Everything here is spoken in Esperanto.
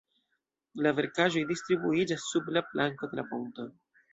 La verkaĵoj distribuiĝas sub la planko de la ponto.